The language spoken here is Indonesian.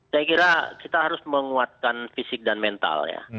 saya kira kita harus menguatkan fisik dan mental ya